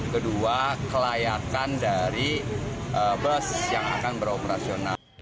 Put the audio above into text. kedua kelayakan dari bus yang akan beroperasional